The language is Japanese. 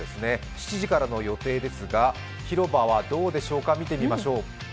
７時からの予定ですが広場はどうでしょうか、見てみましょう。